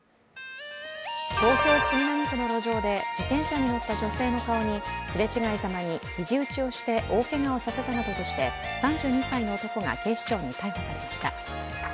東京・杉並区の路上で自転車に乗った女性の顔にすれ違いざまにひじ打ちをして大けがをさせたなどとして３２歳の男が警視庁に逮捕されました。